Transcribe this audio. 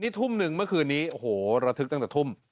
นี่ทุ่มหนึ่งเมื่อคืนนี้โอ้โหระทึกตั้งแต่ทุ่ม